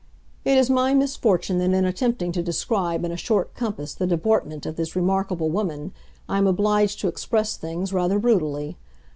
It is my misfortune that in attempting to describe in a short compass the deportment of this remarkable woman I am obliged to express things rather brutally.